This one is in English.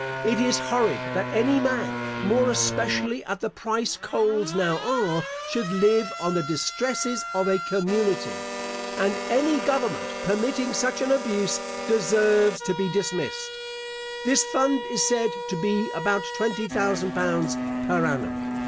It is horrid that any man, more especially at the price coals now are, should live on the distresses of a community; and any government permitting such an abuse, deserves to be dismissed. This fund is said to be about twenty thousand pounds per annum.